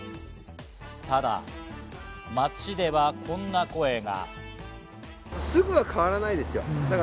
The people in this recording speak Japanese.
ただ、街ではこんな声が。